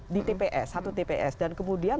di tps satu tps dan kemudian